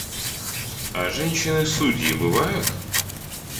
А женщины-судьи бывают?